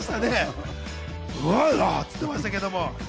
うまいなって言ってましたけど。